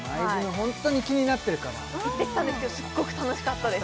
ホントに気になってるから行ってきたんですけどすっごく楽しかったです